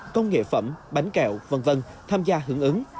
công nghệ phẩm bánh kẹo v v tham gia hưởng ứng